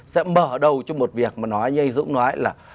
sẽ mở đầu cho một việc mà nói như anh dũng nói là